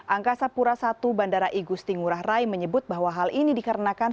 angkasa pura i bandara igusti ngurah rai menyebut bahwa hal ini dikarenakan